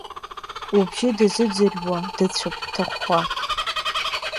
Убжьы дазыӡырҩуа, дыцәап дҭахәхәа.